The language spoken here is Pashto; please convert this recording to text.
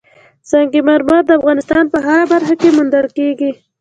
سنگ مرمر د افغانستان په هره برخه کې موندل کېږي.